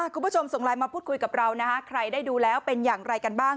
คุณผู้ชมส่งไลน์มาพูดคุยกับเรานะคะใครได้ดูแล้วเป็นอย่างไรกันบ้าง